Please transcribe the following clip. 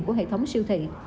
của hệ thống siêu thị